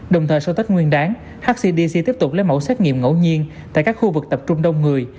đồng thời sau tết nguyên đáng hcdc tiếp tục lấy mẫu xét nghiệm ngẫu nhiên tại các khu vực tập trung đông người